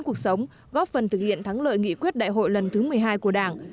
cuộc sống góp phần thực hiện thắng lợi nghị quyết đại hội lần thứ một mươi hai của đảng